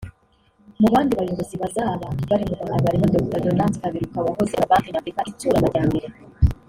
Mu bandi bayobozi bazaba bari mu Rwanda barimo Dr Donald Kaberuka wahoze ayobora Banki Nyafurika Itsura Amajyambere